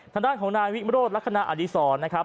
ทางด้านของนายวิโรธลักษณะอดีศรนะครับ